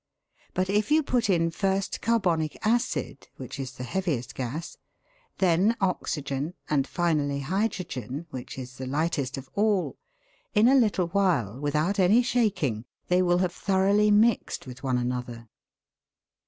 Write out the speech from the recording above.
But if you put in first carbonic acid, which is the heaviest gas, then oxygen, and finally hydrogen, which is the lightest of all, in a little while, without any shaking, they will have thoroughly mixed with one another.